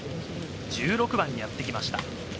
１６番にやってきました。